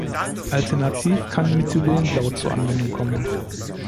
Alternativ kann Methylenblau zur Anwendung kommen.